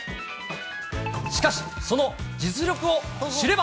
しかし、その実力を知れば。